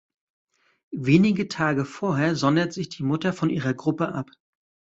Wenige Tage vorher sondert sich die Mutter von ihrer Gruppe ab.